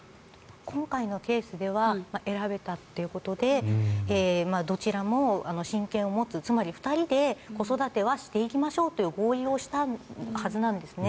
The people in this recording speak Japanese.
今回のケースでは選べたということでどちらも親権を持つつまり２人で子育てはしていきましょうという合意をしたはずなんですね。